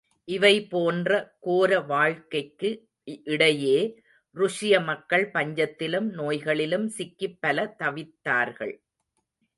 இவை போன்ற கோர வாழ்க்கைக்கு இடையே, ருஷிய மக்கள் பஞ்சத்திலும் நோய்களிலும் சிக்கிப் பல தவித்தார்கள்.